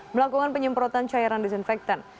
melakukan penyemprotan cairan disinfektan